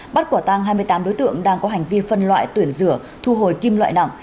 bắt quả tăng hai mươi tám đối tượng đang có hành vi phân loại tuyển rửa thu hồi kim loại nặng